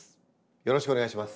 よろしくお願いします。